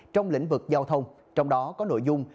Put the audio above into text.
trong lĩnh vực giao thông trong đó có nội dung